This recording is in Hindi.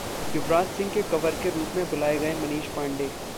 युवराज सिंह के कवर के रुप में बुलाए गए मनीष पांडेय